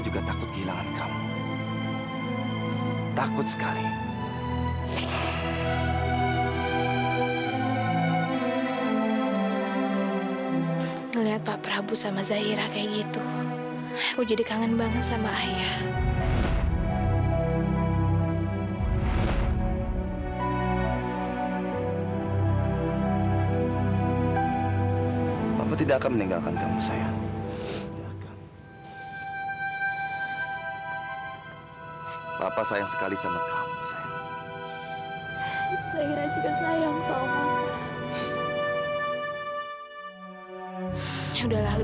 sudah dikenapa itu